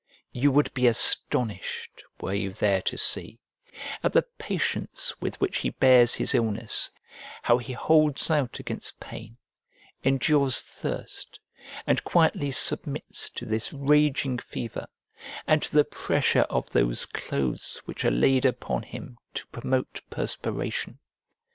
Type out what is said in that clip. You would be astonished, were you there to see, at the patience with which he bears his illness, how he holds out against pain, endures thirst, and quietly submits to this raging fever and to the pressure of those clothes which are laid upon him to promote perspiration.